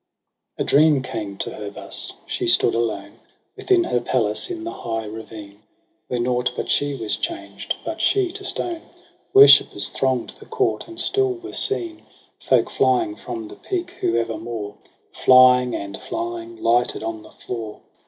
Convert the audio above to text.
A dream came to her, thus : she stood alone Within her palace in the high ravine ; Where nought but she was changed, but she to stone. Worshippers throng'd the court, and still were seen Folk flying from the peak, who, ever more Flying and flying, lighted on the floor.